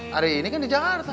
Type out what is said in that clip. hari ini kan di jakarta